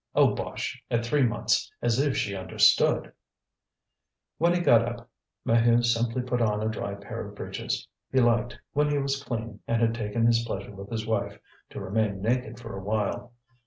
"Oh, bosh! at three months; as if she understood!" When he got up Maheu simply put on a dry pair of breeches. He liked, when he was clean and had taken his pleasure with his wife, to remain naked for a while.